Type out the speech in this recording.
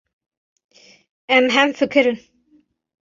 Em hemfikir in.